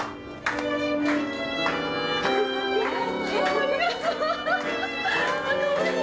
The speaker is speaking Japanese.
ありがとう。